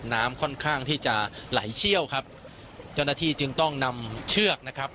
น้ำค่อนข้างที่จะไหลเชี่ยวครับเจ้าหน้าที่จึงต้องนำเชือกนะครับ